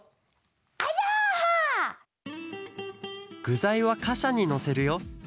ぐざいはかしゃにのせるよ。